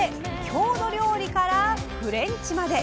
郷土料理からフレンチまで！